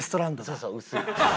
そうそう薄い。